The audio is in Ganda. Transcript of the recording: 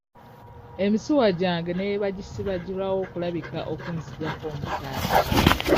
Emisuwa gyange ne bwe bagisiba girwawo okulabika okunzigyako omusaayi.